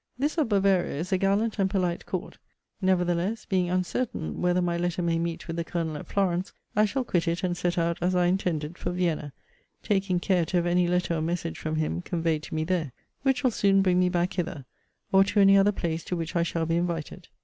This of Bavaria is a gallant and polite court. Nevertheless, being uncertain whether my letter may meet with the Colonel at Florence, I shall quit it, and set out, as I intended, for Vienna; taking care to have any letter or message from him conveyed to me there: which will soon bring me back hither, or to any other place to which I shall be invited.